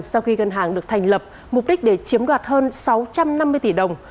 sau khi ngân hàng được thành lập mục đích để chiếm đoạt hơn sáu trăm năm mươi tỷ đồng